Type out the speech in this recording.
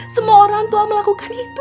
semua orang tua melakukan itu